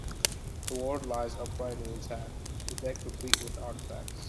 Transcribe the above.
The "Ward" lies upright and intact, the deck replete with artifacts.